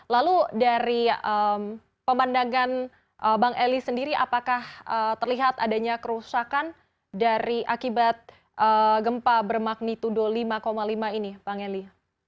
lalu dari pemandangan bang eli sendiri apakah terlihat adanya kerusakan dari akibat gempa bermagnitudo lima lima ini bang eli